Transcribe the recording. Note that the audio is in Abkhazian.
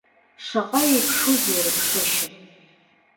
Шаҟа еиԥшузеи рыԥшышьа.